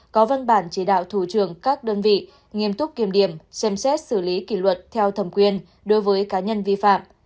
có văn bản chỉ đạo thủ trưởng các đơn vị nghiêm túc kiểm điểm xem xét xử lý kỷ luật theo thẩm quyền đối với cá nhân vi phạm